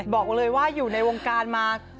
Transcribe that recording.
บอกเลยว่าอยู่ในวงการมา